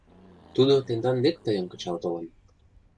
Тудо тендан дек тыйым кычал толын.